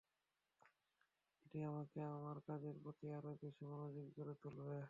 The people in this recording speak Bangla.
নিঃসন্দেহে এটি আমাকে আমার কাজের প্রতি আরও বেশি মনোযোগী করে তুলবে।